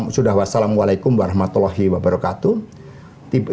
sudah wassalamu alaikum warahmatullahi wabarakatuh